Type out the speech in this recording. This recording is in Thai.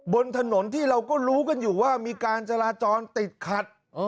บนถนนที่เราก็รู้กันอยู่ว่ามีการจราจรติดขัด